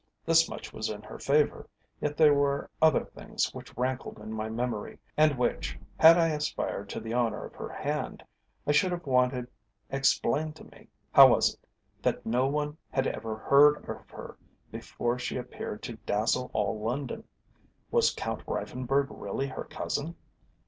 This much was in her favour, yet there were other things which rankled in my memory, and which, had I aspired to the honour of her hand, I should have wanted explained to me. How was it that no one had ever heard of her before she appeared to dazzle all London? Was Count Reiffenburg really her cousin?